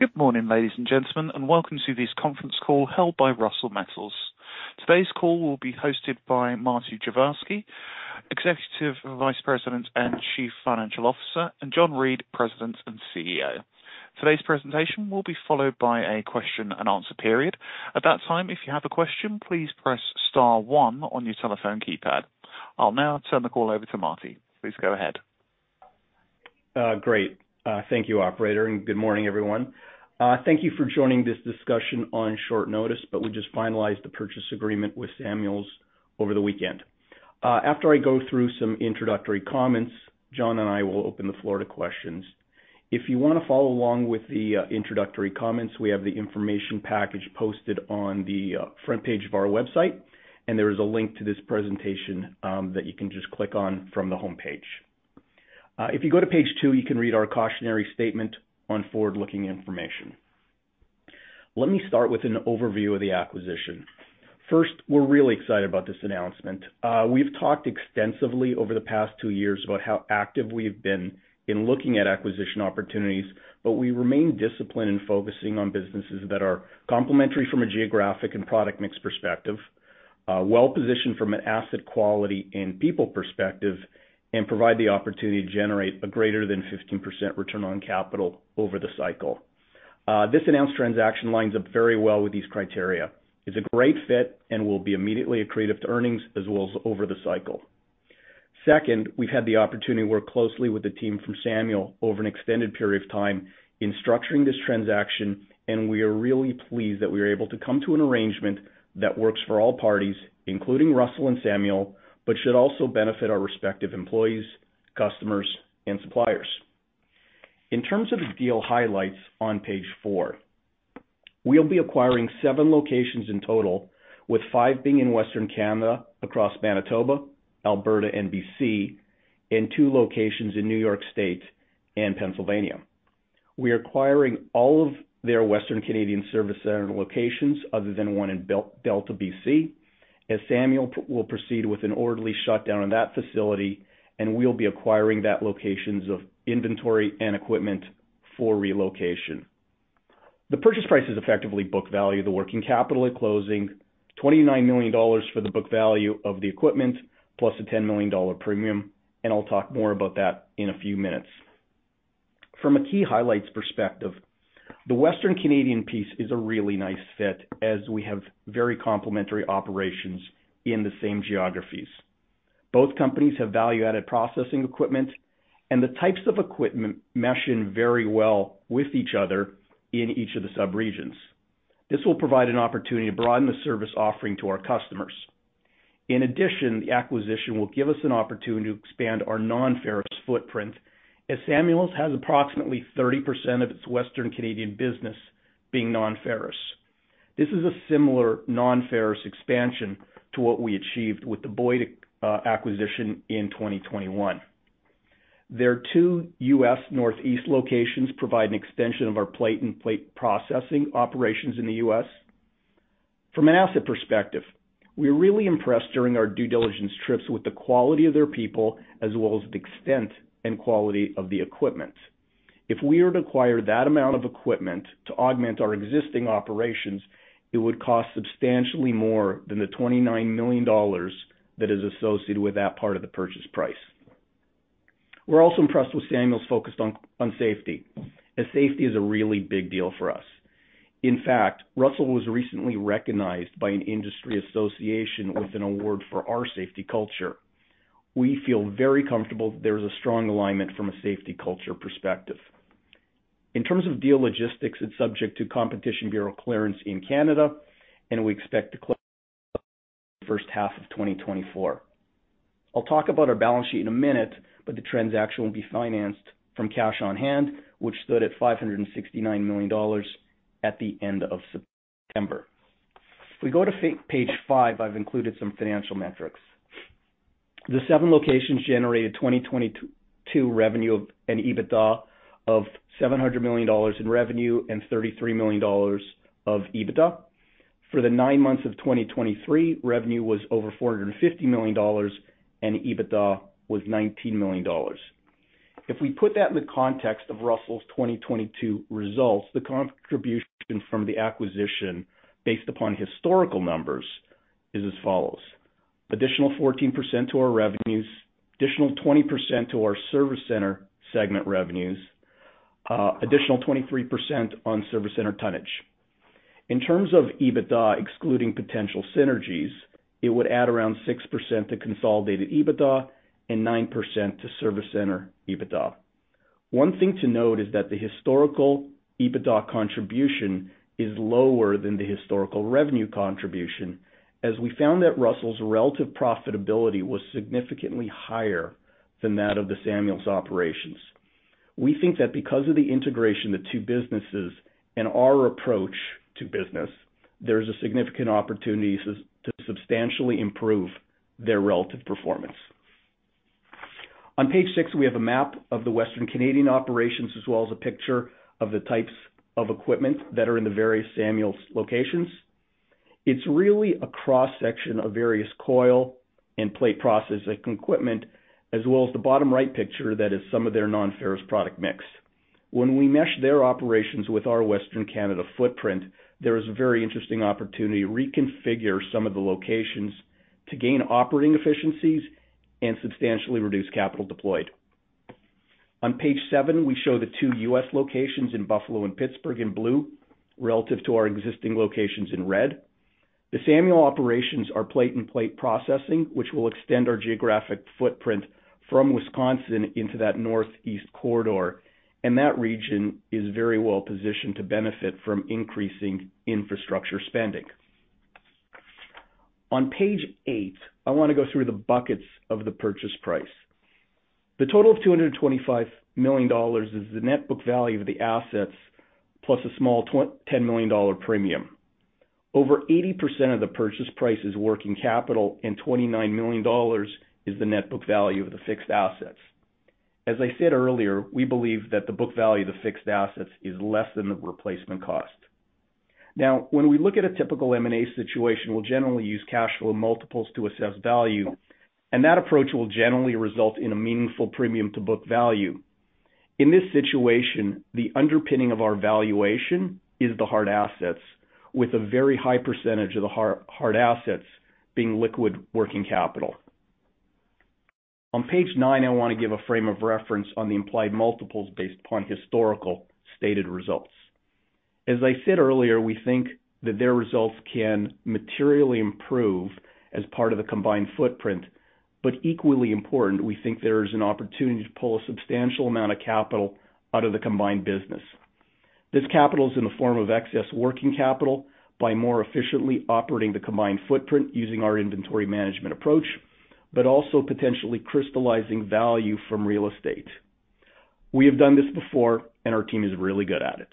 Good morning, ladies and gentlemen, and welcome to this conference call held by Russel Metals. Today's call will be hosted by Martin Juravsky, Executive Vice President and Chief Financial Officer, and John Reid, President and CEO. Today's presentation will be followed by a question-and-answer period. At that time, if you have a question, please press star one on your telephone keypad. I'll now turn the call over to Marty. Please go ahead. Great. Thank you, operator, and good morning, everyone. Thank you for joining this discussion on short notice, but we just finalized the purchase agreement with Samuel over the weekend. After I go through some introductory comments, John and I will open the floor to questions. If you want to follow along with the introductory comments, we have the information package posted on the front page of our website, and there is a link to this presentation that you can just click on from the homepage. If you go to page two, you can read our cautionary statement on forward-looking information. Let me start with an overview of the acquisition. First, we're really excited about this announcement. We've talked extensively over the past two years about how active we've been in looking at acquisition opportunities, but we remain disciplined in focusing on businesses that are complementary from a geographic and product mix perspective, well-positioned from an asset quality and people perspective, and provide the opportunity to generate a greater than 15% return on capital over the cycle. This announced transaction lines up very well with these criteria. It's a great fit and will be immediately accretive to earnings as well as over the cycle. Second, we've had the opportunity to work closely with the team from Samuel over an extended period of time in structuring this transaction, and we are really pleased that we were able to come to an arrangement that works for all parties, including Russel and Samuel, but should also benefit our respective employees, customers, and suppliers. In terms of the deal highlights on page 4, we'll be acquiring seven locations in total, with five being in Western Canada across Manitoba, Alberta, and BC, and two locations in New York State and Pennsylvania. We are acquiring all of their Western Canadian service center locations, other than one in Delta, BC, as Samuel will proceed with an orderly shutdown on that facility, and we'll be acquiring that location's inventory and equipment for relocation. The purchase price is eff ectively book value, the working capital at closing, 29 million dollars for the book value of the equipment, plus a 10 million dollar premium, and I'll talk more about that in a few minutes. From a key highlights perspective, the Western Canadian piece is a really nice fit as we have very complementary operations in the same geographies. Both companies have value-added processing equipment, and the types of equipment mesh in very well with each other in each of the sub-regions. This will provide an opportunity to broaden the service offering to our customers. In addition, the acquisition will give us an opportunity to expand our non-ferrous footprint as Samuel has approximately 30% of its Western Canadian business being non-ferrous. This is a similar non-ferrous expansion to what we achieved with the Boyd acquisition in 2021. Their 2 U.S. Northeast locations provide an extension of our plate and plate processing operations in the U.S. From an asset perspective, we were really impressed during our due diligence trips with the quality of their people, as well as the extent and quality of the equipment. If we were to acquire that amount of equipment to augment our existing operations, it would cost substantially more than the 29 million dollars that is associated with that part of the purchase price. We're also impressed with Samuel focus on safety, as safety is a really big deal for us. In fact, Russel was recently recognized by an industry association with an award for our safety culture. We feel very comfortable that there is a strong alignment from a safety culture perspective. In terms of deal logistics, it's subject to Competition Bureau clearance in Canada, and we expect to clear first half of 2024. I'll talk about our balance sheet in a minute, but the transaction will be financed from cash on hand, which stood at 569 million dollars at the end of September. If we go to page five, I've included some financial metrics. The seven locations generated 2022 revenue of 700 million dollars in revenue and 33 million dollars of EBITDA. For the nine months of 2023, revenue was over 450 million dollars and EBITDA was 19 million dollars. If we put that in the context of Russel's 2022 results, the contribution from the acquisition, based upon historical numbers, is as follows: additional 14% to our revenues, additional 20% to our service center segment revenues, additional 23% on service center tonnage. In terms of EBITDA, excluding potential synergies, it would add around 6% to consolidated EBITDA and 9% to service center EBITDA. One thing to note is that the historical EBITDA contribution is lower than the historical revenue contribution, as we found that Russel's relative profitability was significantly higher than that of the Samuel's operations. We think that because of the integration of the two businesses and our approach to business, there is a significant opportunity to substantially improve their relative performance. On page six, we have a map of the Western Canadian operations, as well as a picture of the types of equipment that are in the various Samuel's locations. It's really a cross-section of various coil and plate processing equipment, as well as the bottom right picture, that is some of their non-ferrous product mix. When we mesh their operations with our Western Canada footprint, there is a very interesting opportunity to reconfigure some of the locations to gain operating efficiencies and substantially reduce capital deployed. On page 7, we show the two U.S. locations in Buffalo and Pittsburgh in blue, relative to our existing locations in red. The Samuel operations are plate and plate processing, which will extend our geographic footprint from Wisconsin into that Northeast corridor, and that region is very well positioned to benefit from increasing infrastructure spending. On page 8, I want to go through the buckets of the purchase price. The total of 225 million dollars is the net book value of the assets, plus a small ten million dollar premium. Over 80% of the purchase price is working capital, and 29 million dollars is the net book value of the fixed assets. As I said earlier, we believe that the book value of the fixed assets is less than the replacement cost. Now, when we look at a typical M&A situation, we'll generally use cash flow multiples to assess value, and that approach will generally result in a meaningful premium to book value. In this situation, the underpinning of our valuation is the hard assets, with a very high percentage of the hard assets being liquid working capital. On page nine, I want to give a frame of reference on the implied multiples based upon historical stated results. As I said earlier, we think that their results can materially improve as part of the combined footprint, but equally important, we think there is an opportunity to pull a substantial amount of capital out of the combined business. This capital is in the form of excess working capital by more efficiently operating the combined footprint using our inventory management approach, but also potentially crystallizing value from real estate. We have done this before, and our team is really good at it.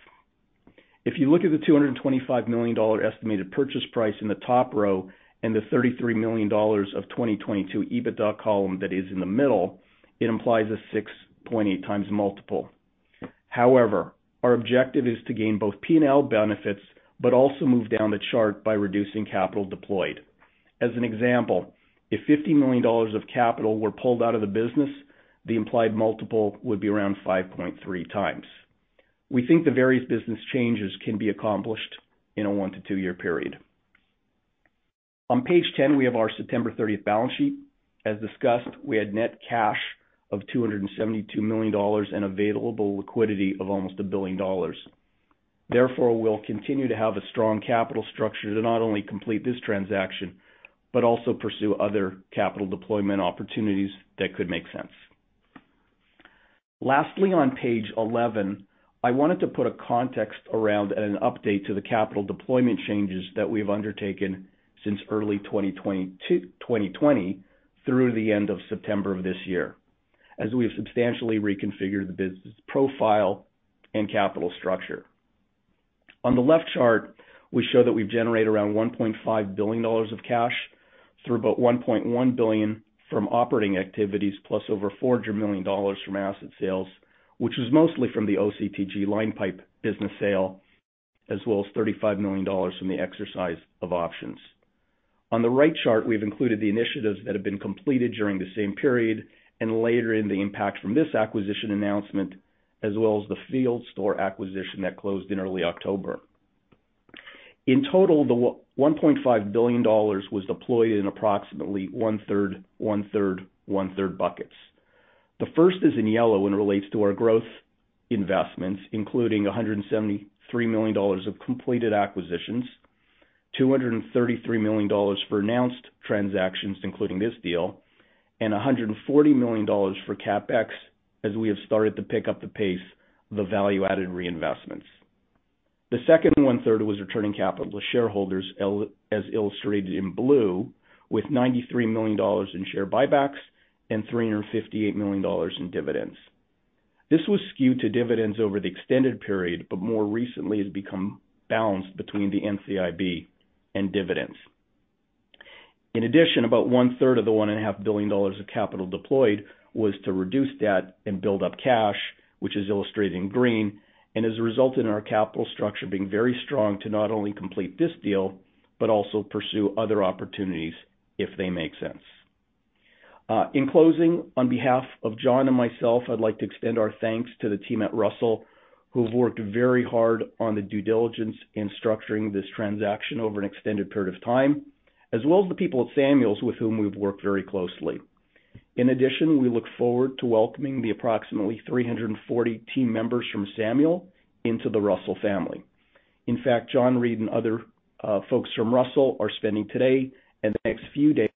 If you look at the 225 million dollar estimated purchase price in the top row and the 33 million dollars of 2022 EBITDA column that is in the middle, it implies a 6.8x multiple. However, our objective is to gain both P&L benefits, but also move down the chart by reducing capital deployed. As an example, if 50 million dollars of capital were pulled out of the business, the implied multiple would be around 5.3x. We think the various business changes can be accomplished in a 1-2-year period. On page 10, we have our September 30 balance sheet. As discussed, we had net cash of 272 million dollars and available liquidity of almost 1 billion dollars. Therefore, we'll continue to have a strong capital structure to not only complete this transaction, but also pursue other capital deployment opportunities that could make sense. Lastly, on page 11, I wanted to put a context around an update to the capital deployment changes that we've undertaken since early 2022—2020, through the end of September of this year, as we have substantially reconfigured the business profile and capital structure. On the left chart, we show that we've generated around 1.5 billion dollars of cash, through about 1.1 billion from operating activities, plus over 400 million dollars from asset sales, which was mostly from the OCTG line pipe business sale, as well as 35 million dollars from the exercise of options. On the right chart, we've included the initiatives that have been completed during the same period, and later in the impact from this acquisition announcement, as well as the Seven Stars acquisition that closed in early October. In total, the one point five billion dollars was deployed in approximately one third, one third, one third buckets. The first is in yellow and relates to our growth investments, including 173 million dollars of completed acquisitions, 233 million dollars for announced transactions, including this deal, and 140 million dollars for CapEx, as we have started to pick up the pace of the value-added reinvestments. The second one-third was returning capital to shareholders, as illustrated in blue, with 93 million dollars in share buybacks and 358 million dollars in dividends. This was skewed to dividends over the extended period, but more recently has become balanced between the NCIB and dividends. In addition, about one third of the 1.5 billion dollars of capital deployed was to reduce debt and build up cash, which is illustrated in green, and has resulted in our capital structure being very strong to not only complete this deal, but also pursue other opportunities if they make sense. In closing, on behalf of John and myself, I'd like to extend our thanks to the team at Russel, who've worked very hard on the due diligence in structuring this transaction over an extended period of time, as well as the people at Samuel, with whom we've worked very closely. In addition, we look forward to welcoming the approximately 340 team members from Samuel into the Russel family. In fact, John Reid and other, folks from Russel are spending today and the next few days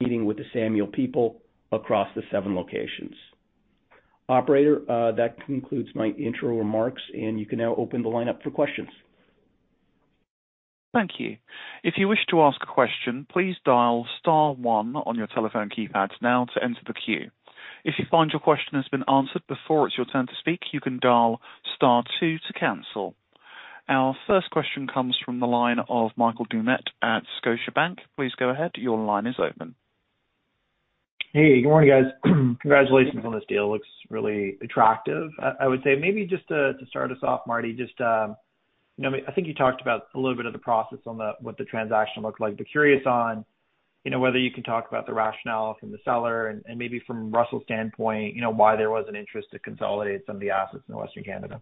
meeting with the Samuel people across the seven locations. Operator, that concludes my intro remarks, and you can now open the line up for questions. Thank you. If you wish to ask a question, please dial star one on your telephone keypad now to enter the queue. If you find your question has been answered before it's your turn to speak, you can dial star two to cancel. Our first question comes from the line of Michael Doumet at Scotiabank. Please go ahead. Your line is open.... Hey, good morning, guys. Congratulations on this deal. Looks really attractive. I would say maybe just to start us off, Marty, just, you know, I think you talked about a little bit of the process on what the transaction looked like. But curious on, you know, whether you can talk about the rationale from the seller and maybe from Russel's standpoint, you know, why there was an interest to consolidate some of the assets in Western Canada.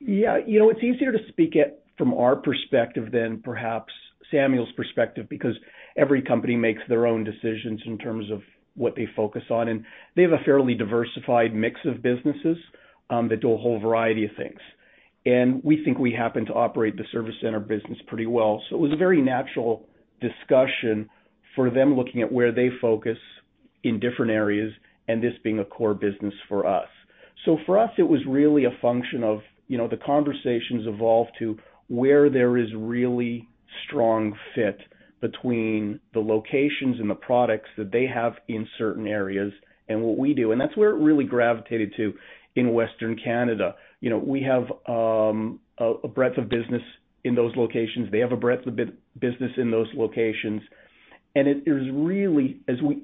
Yeah. You know, it's easier to speak it from our perspective than perhaps Samuel's perspective, because every company makes their own decisions in terms of what they focus on, and they have a fairly diversified mix of businesses that do a whole variety of things. And we think we happen to operate the service center business pretty well. So it was a very natural discussion for them, looking at where they focus in different areas, and this being a core business for us. So for us, it was really a function of, you know, the conversations evolved to where there is really strong fit between the locations and the products that they have in certain areas and what we do, and that's where it really gravitated to in Western Canada. You know, we have a breadth of business in those locations. They have a breadth of business in those locations. And it was really as we,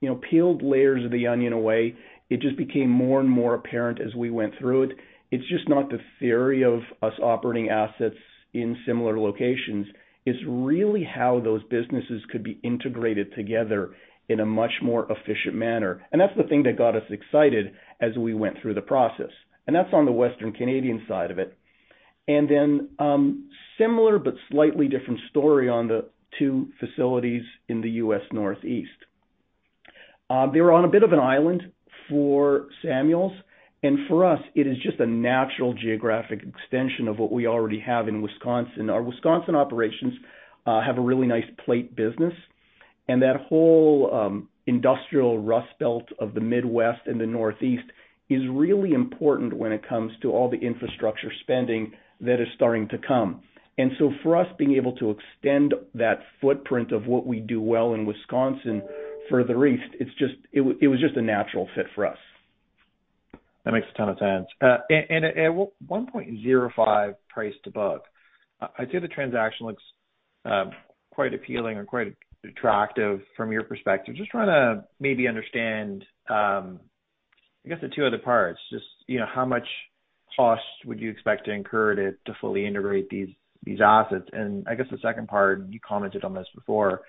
you know, peeled layers of the onion away, it just became more and more apparent as we went through it. It's just not the theory of us operating assets in similar locations, it's really how those businesses could be integrated together in a much more efficient manner. And that's the thing that got us excited as we went through the process, and that's on the Western Canadian side of it. And then, similar but slightly different story on the two facilities in the U.S. Northeast. They were on a bit of an island for Samuel's, and for us, it is just a natural geographic extension of what we already have in Wisconsin. Our Wisconsin operations have a really nice plate business, and that whole industrial rust belt of the Midwest and the Northeast is really important when it comes to all the infrastructure spending that is starting to come. And so for us, being able to extend that footprint of what we do well in Wisconsin further east, it's just... It, it was just a natural fit for us. That makes a ton of sense. And at 1.05 price to book, I'd say the transaction looks quite appealing or quite attractive from your perspective. Just trying to maybe understand, I guess, the two other parts, just, you know, how much cost would you expect to incur to fully integrate these assets? And I guess the second part, you commented on this before,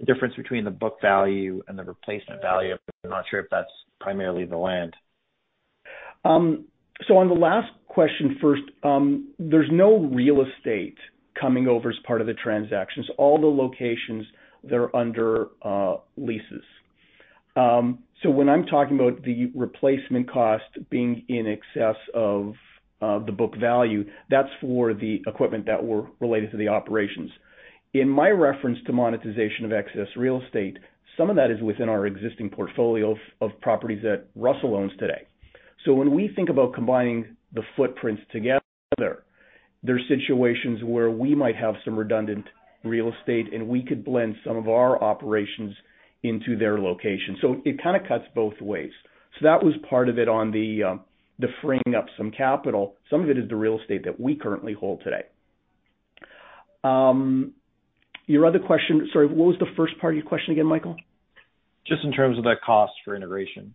the difference between the book value and the replacement value. I'm not sure if that's primarily the land. So on the last question first, there's no real estate coming over as part of the transaction. So all the locations, they're under leases. So when I'm talking about the replacement cost being in excess of the book value, that's for the equipment that were related to the operations. In my reference to monetization of excess real estate, some of that is within our existing portfolio of properties that Russel owns today. So when we think about combining the footprints together, there are situations where we might have some redundant real estate, and we could blend some of our operations into their location, so it kind of cuts both ways. So that was part of it on the freeing up some capital. Some of it is the real estate that we currently hold today. Your other question... Sorry, what was the first part of your question again, Michael? Just in terms of that cost for integration.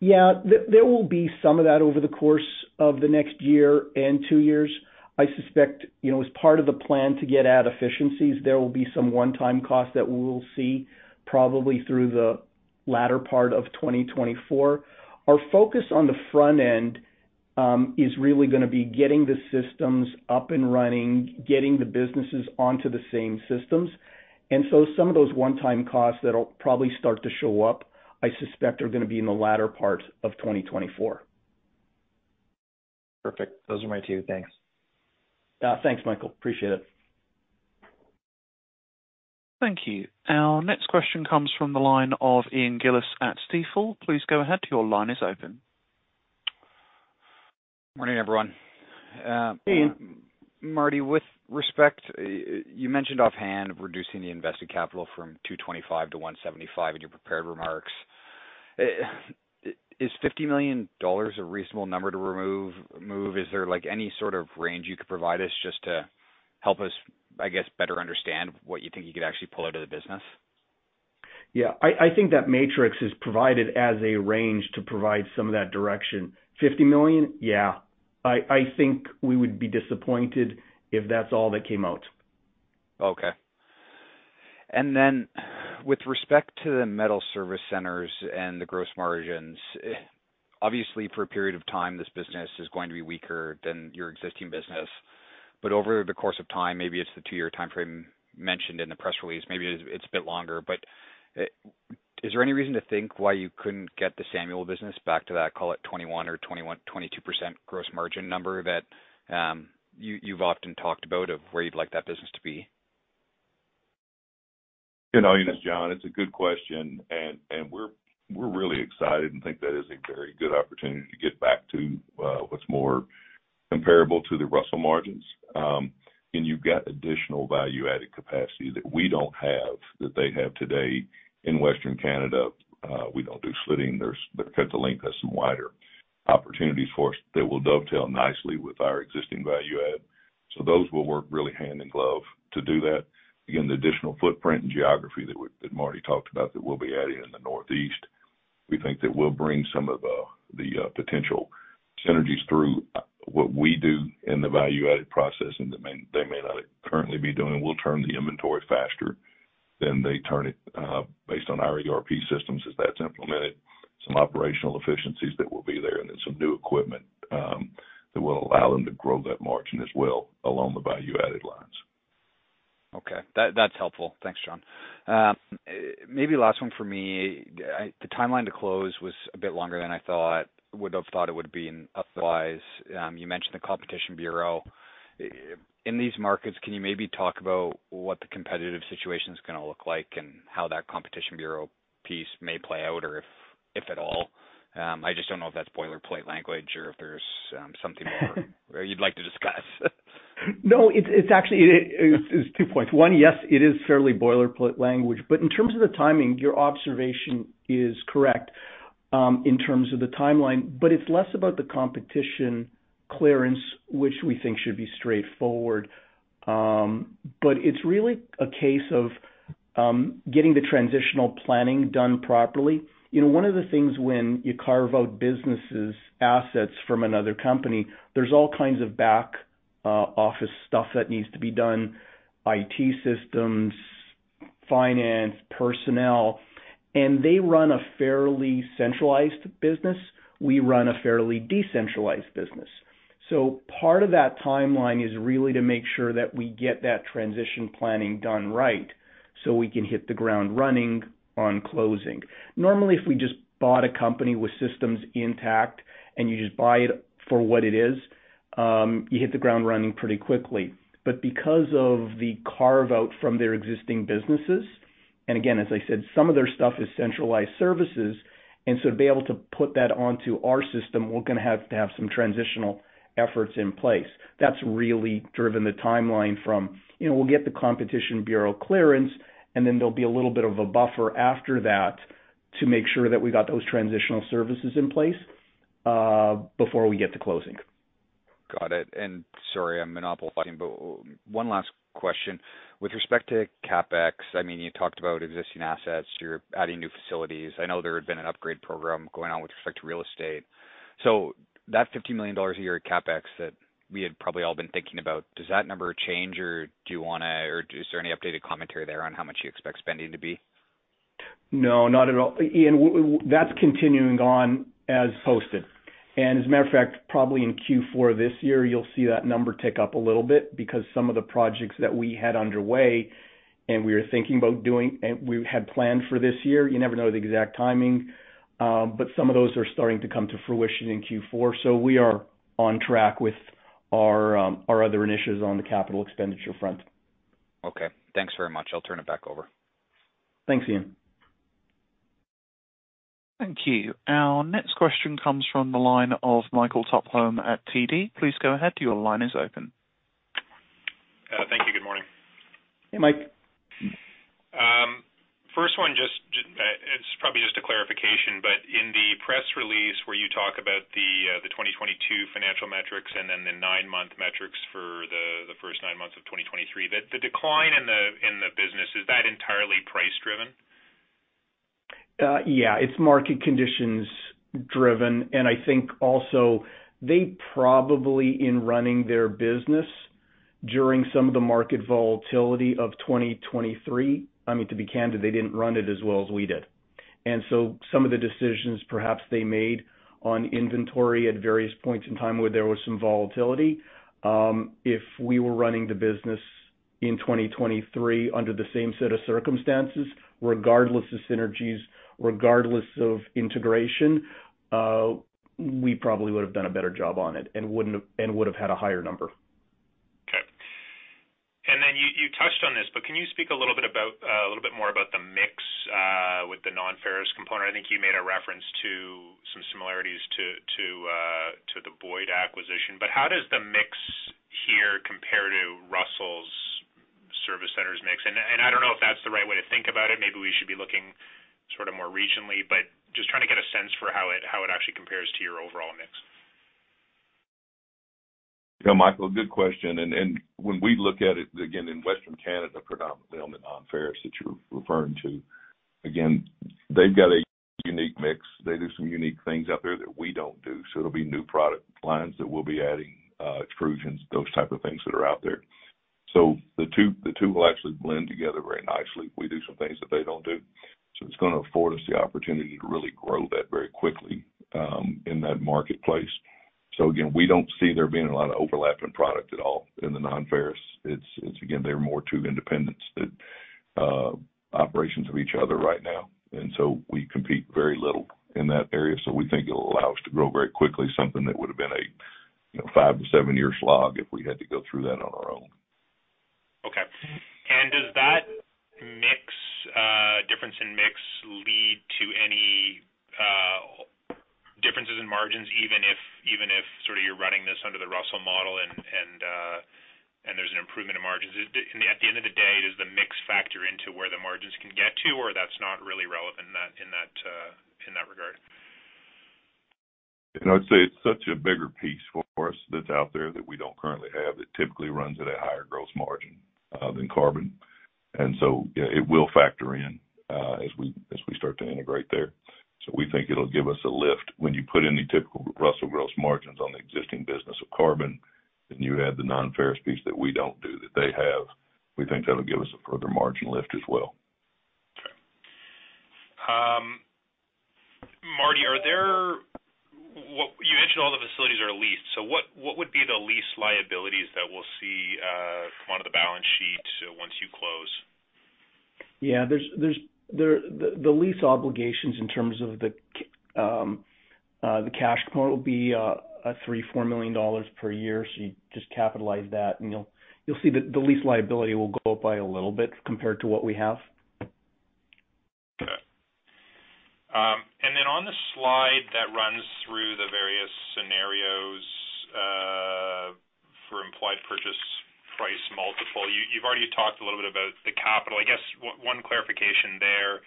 Yeah. There, there will be some of that over the course of the next year and two years. I suspect, you know, as part of the plan to get at efficiencies, there will be some one-time costs that we will see probably through the latter part of 2024. Our focus on the front end is really gonna be getting the systems up and running, getting the businesses onto the same systems. And so some of those one-time costs that'll probably start to show up, I suspect, are gonna be in the latter part of 2024. Perfect. Those are my two. Thanks. Thanks, Michael. Appreciate it. Thank you. Our next question comes from the line of Ian Gillies at Stifel. Please go ahead. Your line is open. Morning, everyone. Hey. Marty, with respect, you mentioned offhand reducing the invested capital from 225 million to 175 million in your prepared remarks. Is 50 million dollars a reasonable number to remove, move? Is there, like, any sort of range you could provide us just to help us, I guess, better understand what you think you could actually pull out of the business? Yeah. I think that matrix is provided as a range to provide some of that direction. 50 million? Yeah. I think we would be disappointed if that's all that came out. Okay. And then with respect to the metal service centers and the gross margins, obviously, for a period of time, this business is going to be weaker than your existing business. But over the course of time, maybe it's the 2-year timeframe mentioned in the press release, maybe it's a bit longer, but is there any reason to think why you couldn't get the Samuel business back to that, call it 21 or 21, 22% gross margin number that you, you've often talked about of where you'd like that business to be? You know, Ian, it's John. It's a good question, and we're really excited and think that is a very good opportunity to get back to what's more comparable to the Russel margins. And you've got additional value added capacity that we don't have, that they have today in Western Canada. We don't do slitting. They cut to length. That's some wider opportunities for us that will dovetail nicely with our existing value add. So those will work really hand in glove to do that. Again, the additional footprint and geography that we, that Marty talked about that we'll be adding in the Northeast, we think that will bring some of the potential synergies through what we do in the value-added process, and that may, they may not currently be doing. We'll turn the inventory faster than they turn it, based on our ERP systems, as that's implemented, some operational efficiencies that will be there, and then some new equipment that will allow them to grow that margin as well along the value-added lines. Okay, that's helpful. Thanks, John. Maybe last one for me. The timeline to close was a bit longer than I thought, would have thought it would be in otherwise. You mentioned the Competition Bureau. In these markets, can you maybe talk about what the competitive situation is gonna look like and how that Competition Bureau piece may play out, or if at all? I just don't know if that's boilerplate language or if there's something more or you'd like to discuss. No, it's actually two points. One, yes, it is fairly boilerplate language, but in terms of the timing, your observation is correct, in terms of the timeline. But it's less about the competition clearance, which we think should be straightforward. But it's really a case of getting the transitional planning done properly. You know, one of the things when you carve out businesses' assets from another company, there's all kinds of back office stuff that needs to be done, IT systems, finance, personnel, and they run a fairly centralized business. We run a fairly decentralized business. So part of that timeline is really to make sure that we get that transition planning done right, so we can hit the ground running on closing. Normally, if we just bought a company with systems intact, and you just buy it for what it is, you hit the ground running pretty quickly. But because of the carve-out from their existing businesses, and again, as I said, some of their stuff is centralized services, and so to be able to put that onto our system, we're gonna have to have some transitional efforts in place. That's really driven the timeline from, you know, we'll get the Competition Bureau clearance, and then there'll be a little bit of a buffer after that to make sure that we got those transitional services in place, before we get to closing. Got it. Sorry, I'm monopolizing, but one last question. With respect to CapEx, I mean, you talked about existing assets. You're adding new facilities. I know there had been an upgrade program going on with respect to real estate. So that 50 million dollars a year CapEx that we had probably all been thinking about, does that number change, or do you wanna, or is there any updated commentary there on how much you expect spending to be? No, not at all. Ian, that's continuing on as posted. As a matter of fact, probably in Q4 of this year, you'll see that number tick up a little bit because some of the projects that we had underway and we were thinking about doing, and we had planned for this year, you never know the exact timing, but some of those are starting to come to fruition in Q4. We are on track with our, our other initiatives on the capital expenditure front. Okay, thanks very much. I'll turn it back over. Thanks, Ian. Thank you. Our next question comes from the line of Michael Tupholme at TD. Please go ahead. Your line is open. Thank you. Good morning. Hey, Mike. First one, just, it's probably just a clarification, but in the press release where you talk about the 2022 financial metrics and then the nine-month metrics for the first 9 months of 2023, the decline in the business, is that entirely price driven? Yeah, it's market conditions driven, and I think also they probably, in running their business during some of the market volatility of 2023, I mean, to be candid, they didn't run it as well as we did. And so some of the decisions perhaps they made on inventory at various points in time where there was some volatility, if we were running the business in 2023 under the same set of circumstances, regardless of synergies, regardless of integration, we probably would have done a better job on it and would have had a higher number. Okay. And then you touched on this, but can you speak a little bit about a little bit more about the mix with the non-ferrous component? I think you made a reference to some similarities to the Boyd acquisition. But how does the mix here compare to Russel's service centers mix? And I don't know if that's the right way to think about it. Maybe we should be looking sort of more recently, but just trying to get a sense for how it actually compares to your overall mix. Yeah, Michael, good question, and when we look at it, again, in Western Canada, predominantly on the non-ferrous that you're referring to, again, they've got a unique mix. They do some unique things out there that we don't do. So it'll be new product lines that we'll be adding, extrusions, those type of things that are out there. So the two will actually blend together very nicely. We do some things that they don't do, so it's gonna afford us the opportunity to really grow that very quickly in that marketplace. So again, we don't see there being a lot of overlap in product at all in the non-ferrous. It's again, they're more two independent operations of each other right now, and so we compete very little in that area. We think it'll allow us to grow very quickly, something that would have been a, you know, 5-7 years slog if we had to go through that on our own. Okay. And does that mix, difference in mix lead to any, differences in margins, even if, even if sort of you're running this under the Russel model and, and, and there's an improvement in margins? At the end of the day, does the mix factor into where the margins can get to, or that's not really relevant then?... And I'd say it's such a bigger piece for us that's out there that we don't currently have, that typically runs at a higher gross margin than carbon. And so, yeah, it will factor in as we start to integrate there. So we think it'll give us a lift. When you put in the typical Russel gross margins on the existing business of carbon, then you add the non-ferrous piece that we don't do, that they have, we think that'll give us a further margin lift as well. Okay. Marty, you mentioned all the facilities are leased, so what would be the lease liabilities that we'll see come onto the balance sheet once you close? Yeah, there's the lease obligations in terms of the cash component will be a 3-4 million dollars per year. So you just capitalize that, and you'll see that the lease liability will go up by a little bit compared to what we have. Okay. And then on the slide that runs through the various scenarios, for implied purchase price multiple, you've already talked a little bit about the capital. I guess, one clarification there.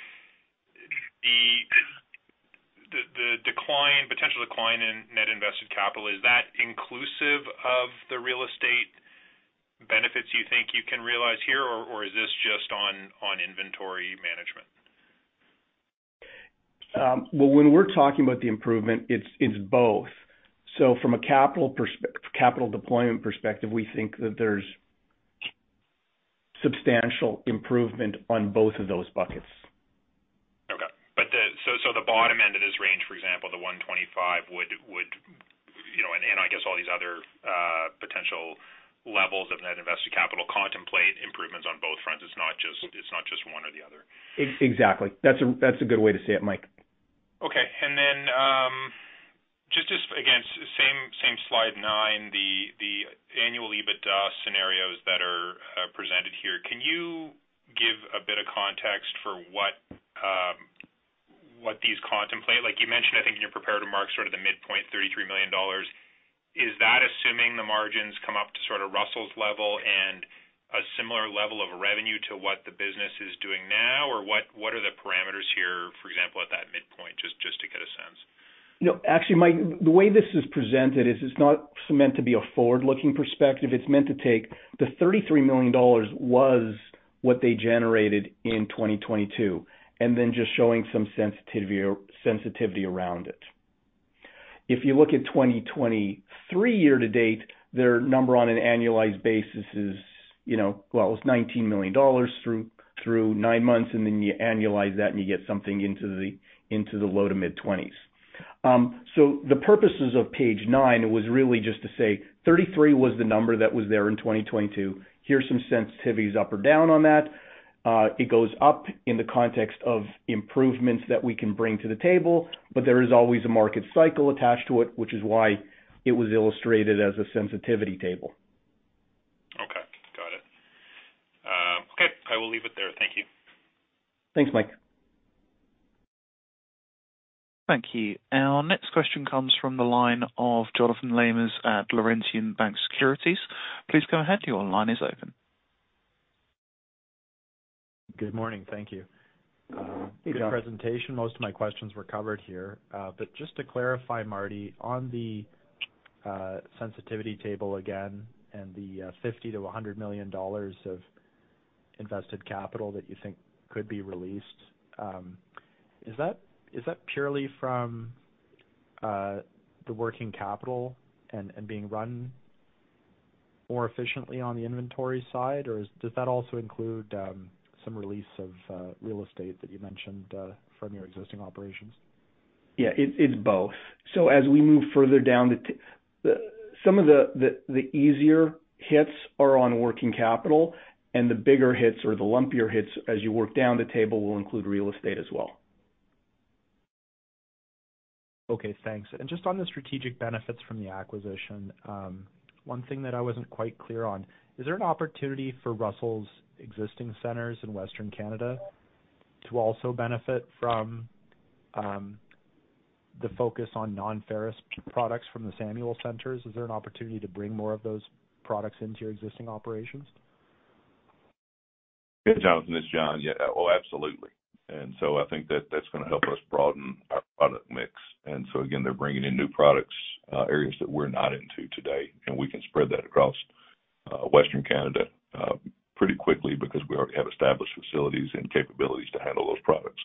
The decline, potential decline in net invested capital, is that inclusive of the real estate benefits you think you can realize here, or is this just on inventory management? Well, when we're talking about the improvement, it's, it's both. So from a capital deployment perspective, we think that there's substantial improvement on both of those buckets. Okay. But the bottom end of this range, for example, the 125, would, you know, and I guess all these other potential levels of net invested capital, contemplate improvements on both fronts. It's not just one or the other. Exactly. That's a good way to say it, Mike. Okay. And then, just as, again, same slide nine, the annual EBITDA scenarios that are presented here. Can you give a bit of context for what these contemplate? Like you mentioned, I think in your prepared remarks, sort of the midpoint, 33 million dollars. Is that assuming the margins come up to sort of Russel's level and a similar level of revenue to what the business is doing now? Or what are the parameters here, for example, at that midpoint, just to get a sense? No, actually, Mike, the way this is presented is it's not meant to be a forward-looking perspective. It's meant to take the 33 million dollars was what they generated in 2022, and then just showing some sensitivity around it. If you look at 2023 year to date, their number on an annualized basis is, you know, well, it's 19 million dollars through 9 months, and then you annualize that, and you get something into the low to mid-20s. So the purposes of page 9, it was really just to say 33 was the number that was there in 2022. Here's some sensitivities up or down on that. It goes up in the context of improvements that we can bring to the table, but there is always a market cycle attached to it, which is why it was illustrated as a sensitivity table. Okay, got it. Okay, I will leave it there. Thank you. Thanks, Mike. Thank you. Our next question comes from the line of Jonathan Lamers at Laurentian Bank Securities. Please go ahead. Your line is open. Good morning. Thank you. Hey, John. Good presentation. Most of my questions were covered here. But just to clarify, Marty, on the sensitivity table again and the 50 million-100 million dollars of invested capital that you think could be released, is that, is that purely from the working capital and being run more efficiently on the inventory side? Or does that also include some release of real estate that you mentioned from your existing operations? Yeah, it's both. So as we move further down the table, some of the easier hits are on working capital, and the bigger hits or the lumpier hits, as you work down the table, will include real estate as well. Okay, thanks. And just on the strategic benefits from the acquisition, one thing that I wasn't quite clear on: Is there an opportunity for Russel's existing centers in Western Canada to also benefit from the focus on non-ferrous products from the Samuel centers? Is there an opportunity to bring more of those products into your existing operations? Hey, Jonathan, it's John. Yeah. Oh, absolutely. And so I think that that's gonna help us broaden our product mix. And so again, they're bringing in new products, areas that we're not into today, and we can spread that across Western Canada pretty quickly because we already have established facilities and capabilities to handle those products.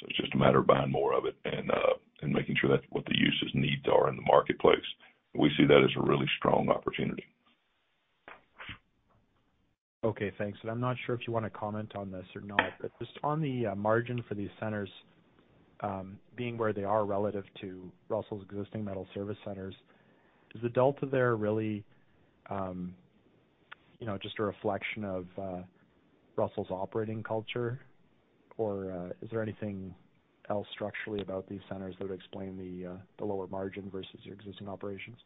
So it's just a matter of buying more of it and making sure that what the user needs are in the marketplace. We see that as a really strong opportunity. Okay, thanks. I'm not sure if you want to comment on this or not, but just on the margin for these centers, being where they are relative to Russel's existing metal service centers, is the delta there really, you know, just a reflection of Russel's operating culture? Or is there anything else structurally about these centers that would explain the lower margin versus your existing operations?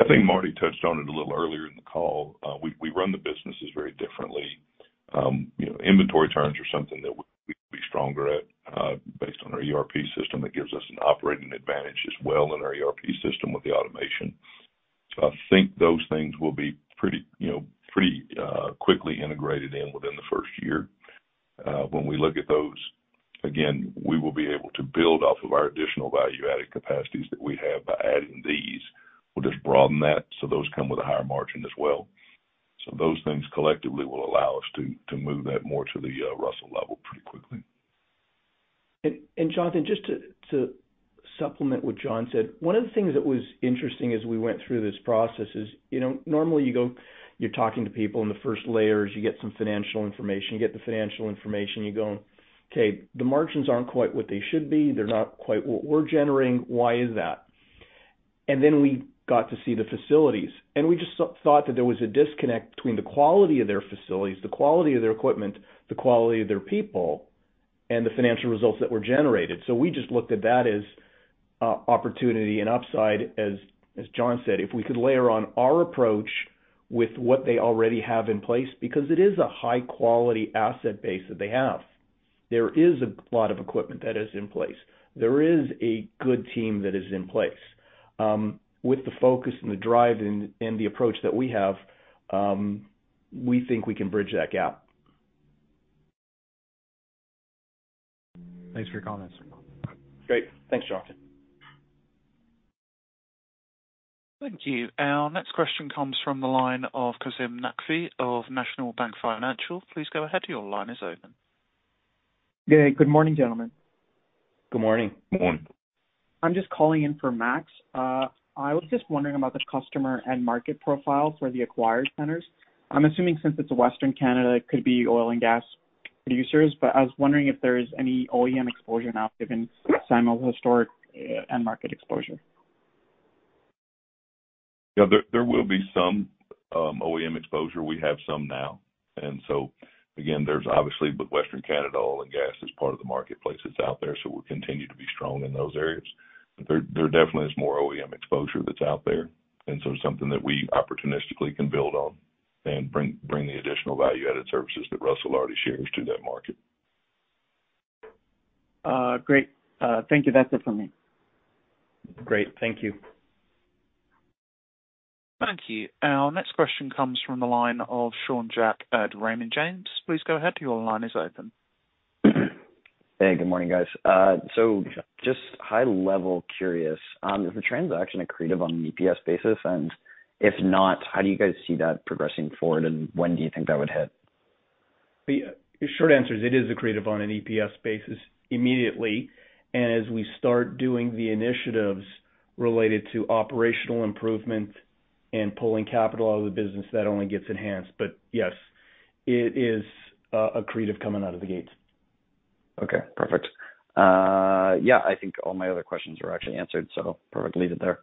I think Marty touched on it a little earlier in the call. We, we run the businesses very differently. You know, inventory turns are something that we, we'd be stronger at, based on our ERP system. It gives us an operating advantage as well in our ERP system with the automation. I think those things will be pretty, you know, pretty, quickly integrated in within the first year. When we look at those, again, we will be able to build off of our additional value-added capacities that we have by adding these. We'll just broaden that, so those come with a higher margin as well. So those things collectively will allow us to, to move that more to the, Russel level pretty quickly. Jonathan, just to supplement what John said, one of the things that was interesting as we went through this process is, you know, normally you go, you're talking to people in the first layers, you get some financial information, you get the financial information, you're going: "Okay, the margins aren't quite what they should be. They're not quite what we're generating. Why is that?" Then we got to see the facilities, and we just thought that there was a disconnect between the quality of their facilities, the quality of their equipment, the quality of their people, and the financial results that were generated. So we just looked at that as opportunity and upside, as John said, if we could layer on our approach with what they already have in place, because it is a high quality asset base that they have. There is a lot of equipment that is in place. There is a good team that is in place. With the focus and the drive and the approach that we have, we think we can bridge that gap. Thanks for your comments. Great. Thanks, Jonathan. Thank you. Our next question comes from the line of Kazim Naqvi of National Bank Financial. Please go ahead. Your line is open. Yeah, good morning, gentlemen. Good morning. Good morning. I'm just calling in for Max. I was just wondering about the customer and market profile for the acquired centers. I'm assuming since it's Western Canada, it could be oil and gas producers, but I was wondering if there is any OEM exposure now, given Samuel's historic end market exposure. Yeah, there will be some OEM exposure. We have some now, and so again, there's obviously with Western Canada, oil and gas is part of the marketplace that's out there, so we'll continue to be strong in those areas. But there definitely is more OEM exposure that's out there, and so something that we opportunistically can build on and bring the additional value-added services that Russel already shares to that market. Great. Thank you. That's it for me. Great. Thank you. Thank you. Our next question comes from the line of Sean Jack at Raymond James. Please go ahead. Your line is open. Hey, good morning, guys. So just high level curious, is the transaction accretive on an EPS basis? And if not, how do you guys see that progressing forward, and when do you think that would hit? The short answer is, it is accretive on an EPS basis immediately, and as we start doing the initiatives related to operational improvement and pulling capital out of the business, that only gets enhanced. But yes, it is accretive coming out of the gates. Okay, perfect. Yeah, I think all my other questions were actually answered, so perfect. I'll leave it there.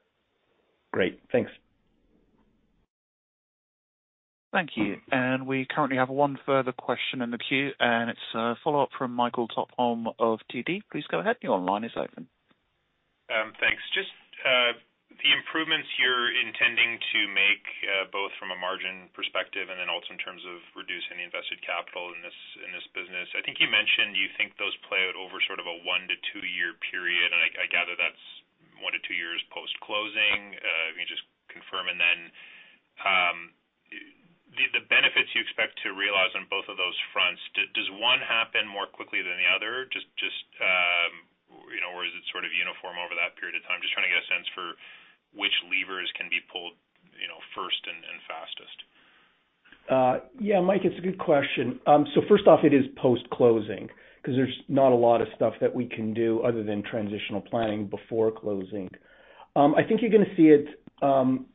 Great. Thanks. Thank you. We currently have one further question in the queue, and it's a follow-up from Michael Tupholme of TD. Please go ahead. Your line is open. Thanks. Just the improvements you're intending to make both from a margin perspective and then also in terms of reducing the invested capital in this business. I think you mentioned you think those play out over sort of a 1-2-year period, and I gather that's 1-2 years post-closing. Can you just confirm? And then the benefits you expect to realize on both of those fronts, does one happen more quickly than the other? Just you know, or is it sort of uniform over that period of time? Just trying to get a sense for which levers can be pulled, you know, first and fastest. Yeah, Mike, it's a good question. So first off, it is post-closing, 'cause there's not a lot of stuff that we can do other than transitional planning before closing. I think you're gonna see it, you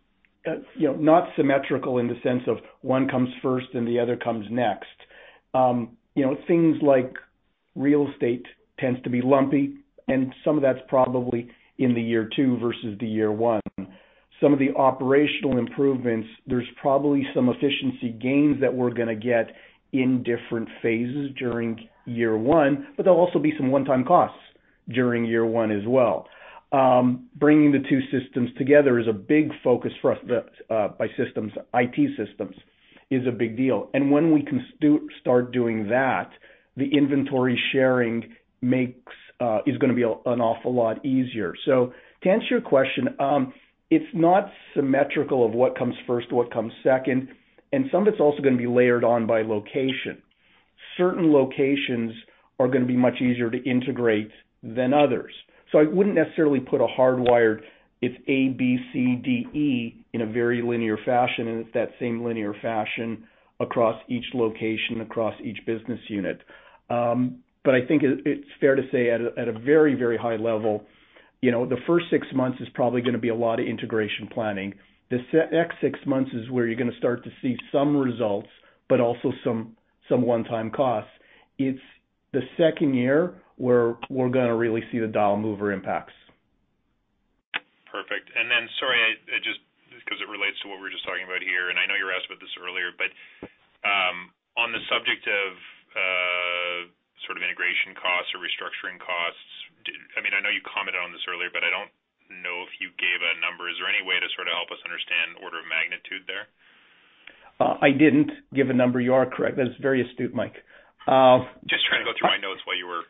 know, not symmetrical in the sense of one comes first and the other comes next. You know, things like real estate tends to be lumpy, and some of that's probably in the year two versus the year one. Some of the operational improvements, there's probably some efficiency gains that we're gonna get in different phases during year one, but there'll also be some one-time costs during year one as well. Bringing the two systems together is a big focus for us. The IT systems is a big deal. And when we can start doing that, the inventory sharing makes is gonna be an awful lot easier. So to answer your question, it's not symmetrical of what comes first or what comes second, and some of it's also gonna be layered on by location. Certain locations are gonna be much easier to integrate than others. So I wouldn't necessarily put a hardwire, it's A, B, C, D, E, in a very linear fashion, and it's that same linear fashion across each location, across each business unit. But I think it's fair to say at a very, very high level, you know, the first six months is probably gonna be a lot of integration planning. The next six months is where you're gonna start to see some results, but also some one-time costs. It's the second year where we're gonna really see the dial mover impacts. Perfect. And then, sorry, I, I just... 'cause it relates to what we were just talking about here, and I know you were asked about this earlier, but on the subject of sort of integration costs or restructuring costs, I mean, I know you commented on this earlier, but I don't know if you gave a number. Is there any way to sort of help us understand the order of magnitude there? I didn't give a number. You are correct. That's very astute, Mike. Just trying to go through my notes while you were,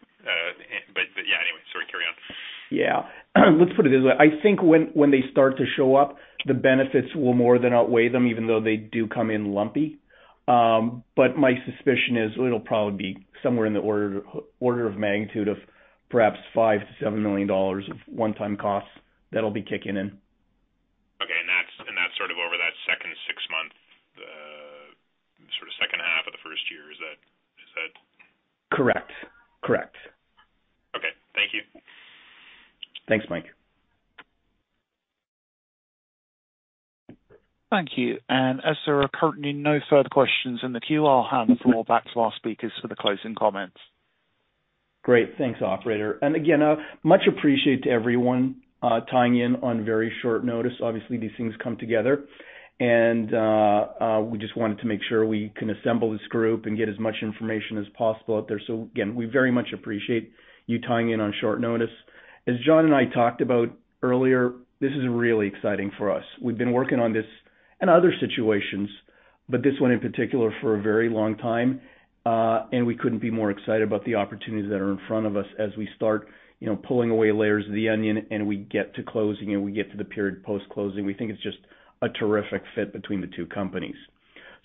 but yeah, anyway, sorry, carry on. Yeah. Let's put it this way: I think when they start to show up, the benefits will more than outweigh them, even though they do come in lumpy. But my suspicion is it'll probably be somewhere in the order of magnitude of perhaps 5 million-7 million dollars of one-time costs that'll be kicking in. Okay, and that's, and that's sort of over that second six month, sort of second half of the first year. Is that, is that- Correct. Correct. Okay. Thank you. Thanks, Mike. Thank you. As there are currently no further questions in the queue, I'll hand the floor back to our speakers for the closing comments. Great. Thanks, operator, and again, much appreciated to everyone tying in on very short notice. Obviously, these things come together, and we just wanted to make sure we can assemble this group and get as much information as possible out there. So again, we very much appreciate you tying in on short notice. As John and I talked about earlier, this is really exciting for us. We've been working on this and other situations, but this one in particular for a very long time, and we couldn't be more excited about the opportunities that are in front of us as we start, you know, pulling away layers of the onion and we get to closing and we get to the period post-closing. We think it's just a terrific fit between the two companies.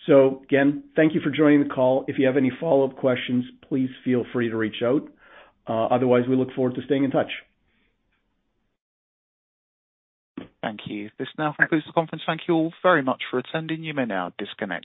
So again, thank you for joining the call. If you have any follow-up questions, please feel free to reach out, otherwise, we look forward to staying in touch. Thank you. This now concludes the conference. Thank you all very much for attending. You may now disconnect.